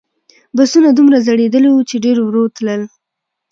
بسونه دومره زړیدلي وو چې ډېر ورو تلل.